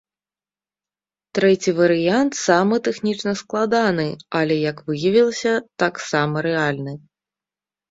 Трэці варыянт самы тэхнічна складаны, але, як выявілася, таксама рэальны.